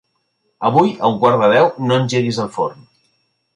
Avui a un quart de deu no engeguis el forn.